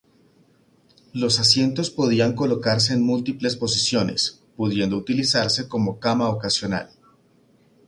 Los asientos podían colocarse en múltiples posiciones, pudiendo utilizarse como cama ocasional.